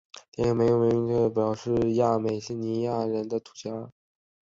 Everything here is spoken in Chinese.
电影没有明确提及被指种族灭绝亚美尼亚人的土耳其。